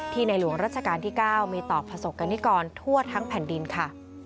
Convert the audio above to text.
ในหลวงรัชกาลที่๙มีต่อประสบกรณิกรทั่วทั้งแผ่นดินค่ะ